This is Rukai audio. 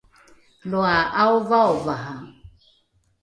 loa ’aovaovaha!